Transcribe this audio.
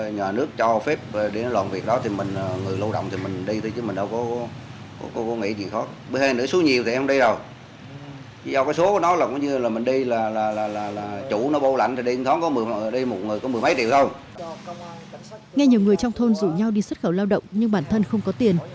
nghe nhiều người trong thôn rủ nhau đi xuất khẩu lao động nhưng bản thân không có tiền